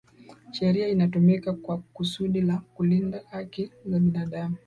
sheria inatumika kwa kusudi la kulinda haki za binadamu